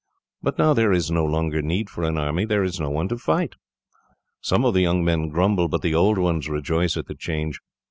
But now there is no longer need for an army. There is no one to fight. Some of the young men grumble, but the old ones rejoice at the change.